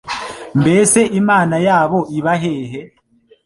Mbese Imana yabo iba hehe?»